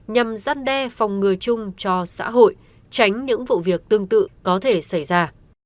nhằm giăn đe phòng ngừa chung cho xã hội tránh những vụ việc tương tự có thể xảy ra